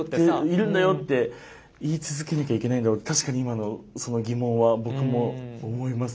いるんだよって言い続けなきゃいけないんだろうって確かに今の疑問は僕も思います